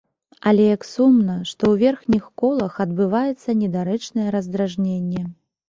Але як сумна, што ў верхніх колах адбываецца недарэчнае раздражненне.